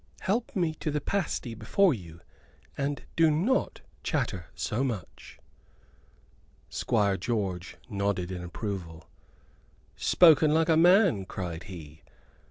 Help me to the pasty before you, and do not chatter so much." Squire George nodded in approval. "Spoken like a man," cried he.